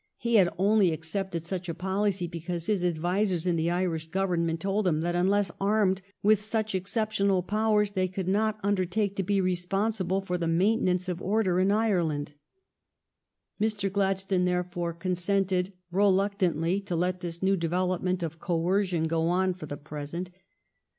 He had only accepted such a policy because his advisers in the Irish Government told him that unless armed with such exceptional powers they could not undertake to be responsi ble for the rnaintenance of order in Ireland. Mr. Gladstone therefore consented reluctantly to let this new development of coercion go on for the present.